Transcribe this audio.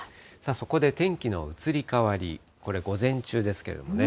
そこで天気の移り変わり、これ、午前中ですけれどもね。